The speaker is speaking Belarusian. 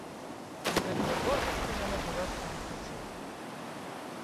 Канкрэтныя прозвішчы я называць б не хацеў.